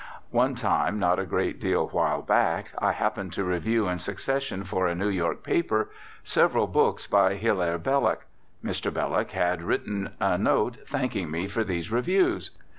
One time not a great while back I happened to review in succession for a New York paper several books by Hilaire Belloc. Mr. Belloc had written me a note thanking me for these reviews.